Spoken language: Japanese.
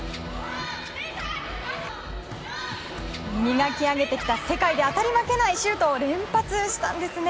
磨き上げてきた世界で当たり負けないシュートを連発したんですね。